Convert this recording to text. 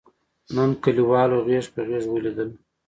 نن کلیوالو غېږ په غېږ ولیدل.